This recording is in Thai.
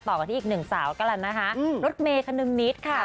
ต่อกันที่อีกหนึ่งสาวก่อนนะคะนดเมคคนึงนิตค่ะ